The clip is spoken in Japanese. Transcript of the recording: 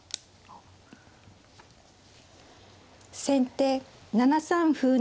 先手７三歩成。